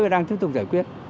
và đang tiếp tục giải quyết